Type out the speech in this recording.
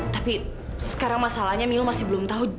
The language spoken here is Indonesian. tapi sekarang masalahnya mil masih belum tahu